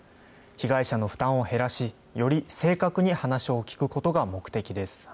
被害者の負担を減らし、より正確に話を聴くことが目的です。